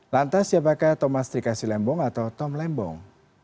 lantas siapakah thomas trikasi lembong atau tom lembong